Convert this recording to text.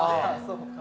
そっか。